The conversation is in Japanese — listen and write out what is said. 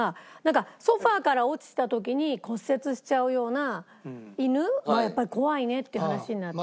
ソファから落ちた時に骨折しちゃうような犬はやっぱり怖いねっていう話になって。